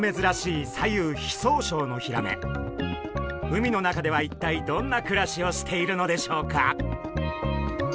海の中では一体どんな暮らしをしているのでしょうか？